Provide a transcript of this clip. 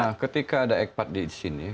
nah ketika ada ekpat di sini